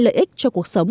lợi ích cho cuộc sống